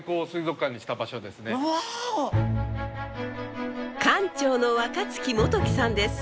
館長の若月元樹さんです。